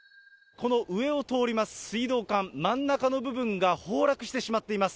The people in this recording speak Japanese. この上を通ります水道管、真ん中の部分が崩落してしまっています。